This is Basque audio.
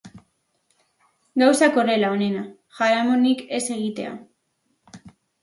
Gauzak horrela, onena jaramonik ez egitea.